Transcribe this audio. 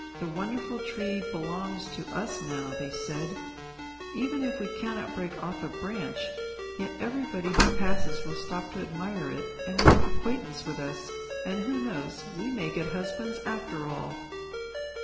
"The wonderful tree belongs to us now," they said; "even if we cannot break off a branch, yet everybody who passes will stop to admire it, and make acquaintance with us, and, who knows? we may get husbands after all."